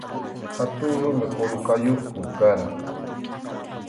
Hatun rumi qullqayuqku karqan.